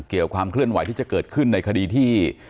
ความเคลื่อนไหวที่จะเกิดขึ้นในคดีที่